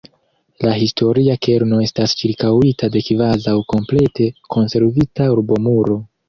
La historia kerno estas ĉirkaŭita de kvazaŭ komplete konservita urbomuro.